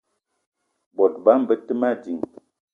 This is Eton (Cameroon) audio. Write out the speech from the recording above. Bot bama be te ma ding.